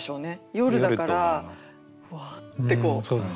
夜だからふわってこう。